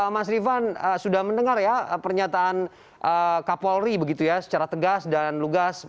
mas rifan sudah mendengar ya pernyataan kapolri begitu ya secara tegas dan lugas